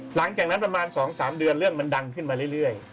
หลังจากนั้นประมาณ๒๓เดือนเรื่องมันดังขึ้นมาเรื่อย